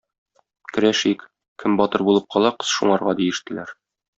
Көрәшик, кем батыр булып кала, кыз шуңарга, - диештеләр.